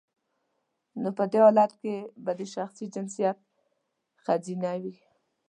نو په دی حالت کې به د شخص جنسیت خځینه وي